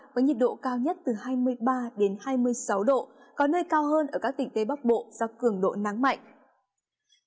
với nhiệt độ cao nhất từ hai mươi ba hai mươi sáu độ có nơi cao hơn ở các tỉnh tây bắc bộ do cường độ nắng mạnh